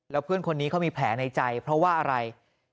แล้วเพื่อนคนนี้เขามีแผลในใจเพราะว่าอะไร